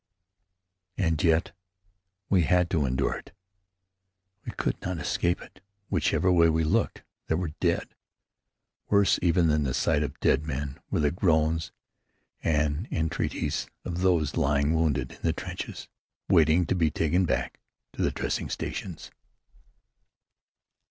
And yet, we had to endure it. We could not escape it. Whichever way we looked, there were the dead. Worse even than the sight of dead men were the groans and entreaties of those lying wounded in the trenches waiting to be taken back to the dressing stations.